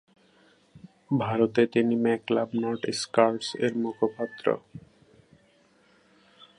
ভারতে তিনি make love not স্কারস।-এর মুখপাত্র।